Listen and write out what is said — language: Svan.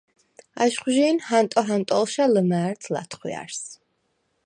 აშხვჟი̄ნ ჰანტო ჰანტო̄ლშა ლჷმა̈რდ ლა̈თხვიარს.